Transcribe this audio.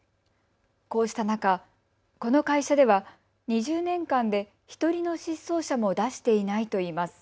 こうした中、この会社では２０年間で１人の失踪者も出していないといいます。